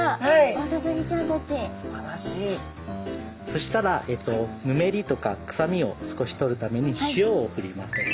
そしたらヌメリとか臭みを少し取るために塩をふります。